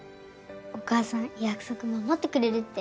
お母さん約束守ってくれるって。